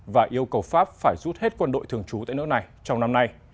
và yêu cầu pháp phải rút hết quân đội thường trú tại nước này trong năm nay